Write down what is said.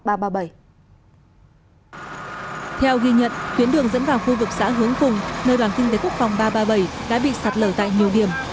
theo ghi nhận tuyến đường dẫn vào khu vực xã hướng cùng nơi đoàn kinh tế quốc phòng ba trăm ba mươi bảy đã bị sạt lở tại nhiều điểm